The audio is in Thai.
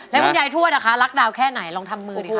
แล้วคุณยายทวดล่ะคะรักดาวแค่ไหนลองทำมือดีค่ะ